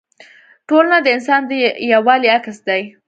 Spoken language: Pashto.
ټولنه د انسان د یووالي عکس دی.